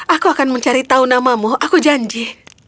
aku akan mencari tahu namamu aku janji